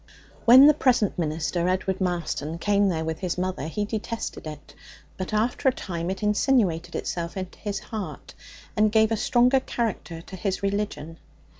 When the present minister, Edward Marston, came there with his mother he detested it; but after a time it insinuated itself into his heart, and gave a stronger character to his religion.